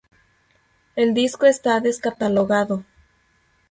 El disco está descatalogado.